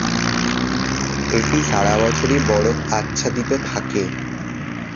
এটি সারা বছরই বরফ আচ্ছাদিত থাকে।